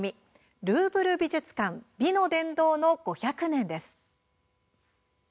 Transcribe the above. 「ルーブル美術館美の殿堂の５００年」です。